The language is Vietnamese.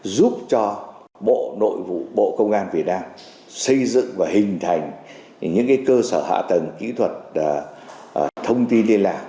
giúp cho bộ nội vụ bộ công an việt nam xây dựng và hình thành những cơ sở hạ tầng kỹ thuật thông tin liên lạc